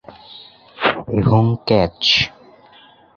এবং "ক্যাচ"।